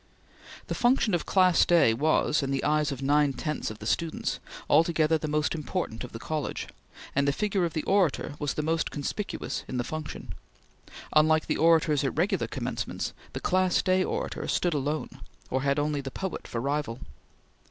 The function of Class Day was, in the eyes of nine tenths of the students, altogether the most important of the college, and the figure of the Orator was the most conspicuous in the function. Unlike the Orators at regular Commencements, the Class Day Orator stood alone, or had only the Poet for rival.